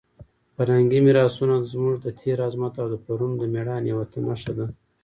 فرهنګي میراثونه زموږ د تېر عظمت او د پلرونو د مېړانې یوه نښه ده.